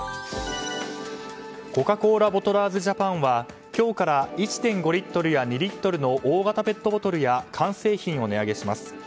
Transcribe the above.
コカ・コーラボトラーズジャパンは今日から１．５リットルや２リットルの大型ペットボトルや缶製品を値上げします。